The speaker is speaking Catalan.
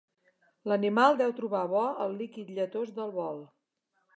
L'animal deu trobar bo el líquid lletós del bol.